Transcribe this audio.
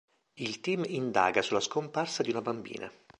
Il team indaga sulla scomparsa di una bambina.